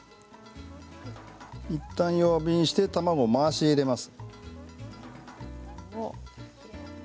いったん弱火にしてから卵を回し入れます。